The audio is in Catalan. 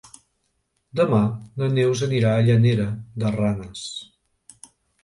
Demà na Neus anirà a Llanera de Ranes.